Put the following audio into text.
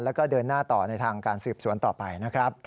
แล้วก็เดินหน้าต่อในทางการสืบสวนต่อไปนะครับ